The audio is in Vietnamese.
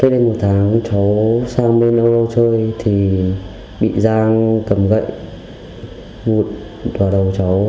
trước đây một tháng cháu sang bên âu lâu chơi thì bị giang cầm gậy vụt vào đầu cháu